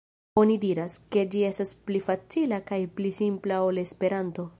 Oni diras, ke ĝi estas pli facila kaj pli simpla ol Esperanto.